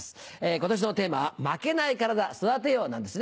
今年のテーマは「負けないカラダ、育てよう」です。